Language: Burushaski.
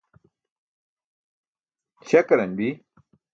śakaran bi